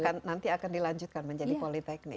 dan ini nanti akan dilanjutkan menjadi politeknik